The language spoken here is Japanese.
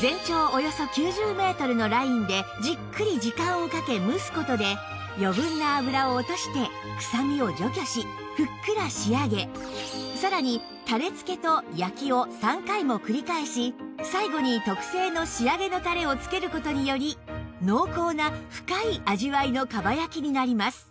全長およそ９０メートルのラインでじっくり時間をかけ蒸す事で余分な脂を落としてくさみを除去しふっくら仕上げさらにたれ付けと焼きを３回も繰り返し最後に特製の仕上げのたれを付ける事により濃厚な深い味わいのかば焼きになります